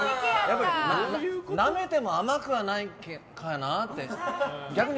なめても甘くはないかなって。